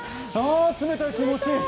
あ、冷たい、気持ちいい。